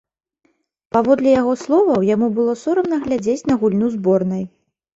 Паводле яго словаў, яму было сорамна глядзець на гульню зборнай.